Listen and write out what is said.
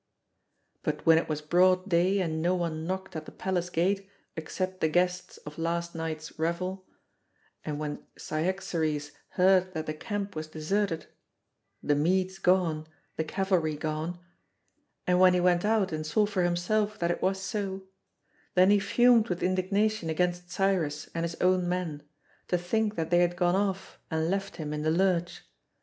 But when it was broad day and no one knocked at the palace gate except the guests of last night's revel, and when Cyaxares heard that the camp was deserted the Medes gone, the cavalry gone and when he went out and saw for himself that it was so, then he fumed with indignation against Cyrus and his own men, to think that they had gone off and left him in the lurch.